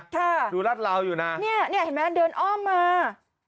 ค่ะดูรัดราวอยู่นะเนี่ยเห็นไหมเดินอ้อมมา